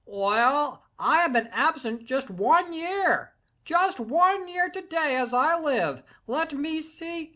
"Well I have been absent just one year.—Just one year to day, as I live—let me see!